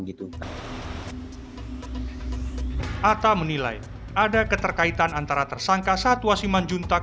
atta menilai ada keterkaitan antara tersangka satwa siman juntak